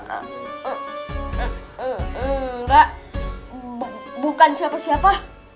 enggak bukan siapa siapa